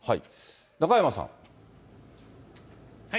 中山さん。